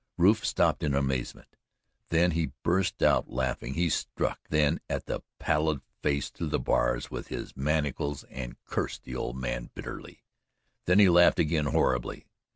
Rufe stopped in amazement; then he burst out laughing; he struck then at the pallid face through the bars with his manacles and cursed the old man bitterly; then he laughed again horribly.